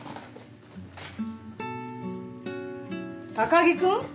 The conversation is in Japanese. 高木君？